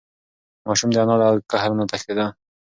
ماشوم د انا له قهر نه تښتېده.